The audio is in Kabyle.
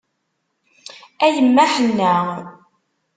A yemma ḥenna.